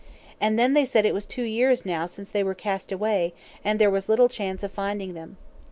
And, then, they said it was two years now since they were cast away, and there was little chance of finding them.